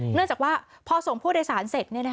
เนื่องจากว่าพอส่งผู้โดยสารเสร็จ